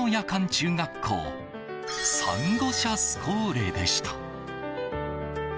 中学校珊瑚舎スコーレでした。